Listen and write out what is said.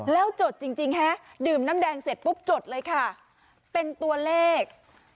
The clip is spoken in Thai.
แล้วจดจริงฮะดื่มน้ำแดงเสร็จปุ๊บจดเลยค่ะเป็นตัวเลข